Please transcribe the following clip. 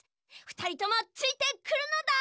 ふたりともついてくるのだ！